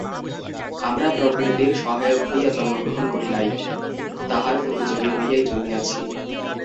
আমরা প্রকৃতির সহায়ক হইয়া জন্মগ্রহণ করি নাই, তাহার প্রতিযোগী হইয়াই জন্মিয়াছি।